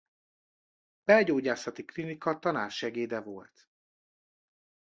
Belgyógyászati Klinika tanársegéde volt.